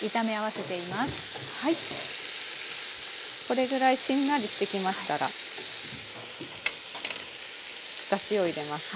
これぐらいしんなりしてきましたらだしを入れます。